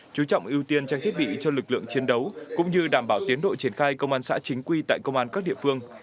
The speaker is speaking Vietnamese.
chú trọng ưu tiên trang thiết bị cho lực lượng chiến đấu cũng như đảm bảo tiến đội triển khai công an xã chính quy tại công an các địa phương